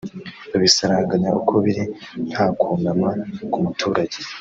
babisaranganye uko biri nta kunama ku muturage